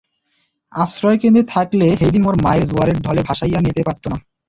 আশ্রয়কেন্দ্র থাকলে হেইদিন মোর মায়রে জোয়ারের ঢলে ভাসাইয়্যা নেতে পারত না।